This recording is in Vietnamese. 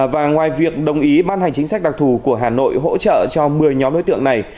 và ngoài việc đồng ý ban hành chính sách đặc thù của hà nội hỗ trợ cho một mươi nhóm đối tượng này